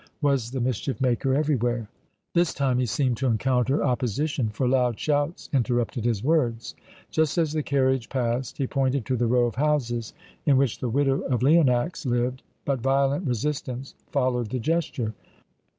Was the mischief maker everywhere? This time he seemed to encounter opposition, for loud shouts interrupted his words. Just as the carriage passed he pointed to the row of houses in which the widow of Leonax lived, but violent resistance followed the gesture.